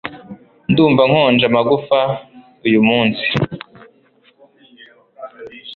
Ndumva nkonje amagufwa uyumunsi